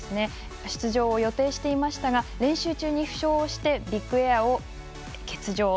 出場を予定していたんですが練習中に負傷をしてビッグエアを欠場。